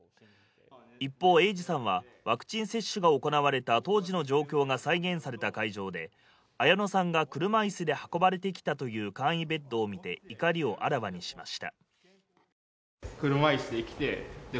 一方、英治さんはワクチン接種が行われた当時の状況が再現された会場で、綾乃さんが車椅子で運ばれてきたという簡易ベッドを見て、怒りをあらわにしました。